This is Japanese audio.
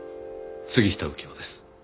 杉下右京です。